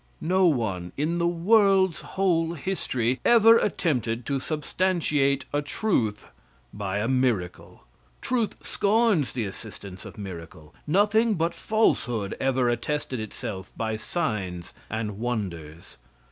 No one, in the world's whole history, ever attempted to substantiate a truth by a miracle. Truth scorns the assistance of miracle. Nothing but falsehood ever attested itself by signs and wonders.